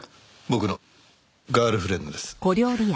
僕のガールフレンドです。